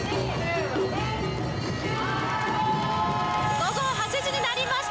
午後８時になりました。